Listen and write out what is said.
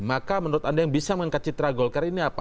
maka menurut anda yang bisa mengangkat citra golkar ini apa